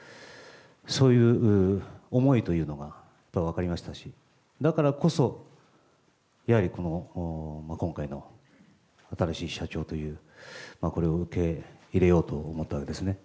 そういう思いというのは分かりましたし、だからこそ、やはり今回の新しい社長という、これを受け入れようと思ったわけですね。